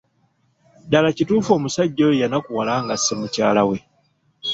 Ddala kituufu omusajja oyo yanakuwala ng’asse mukyala we?